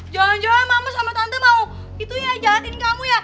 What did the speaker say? jalan jalan mama sama tante mau itu ya jahatin kamu ya